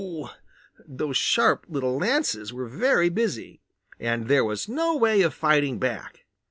Those sharp little lances were very busy, and there was no way of fighting back.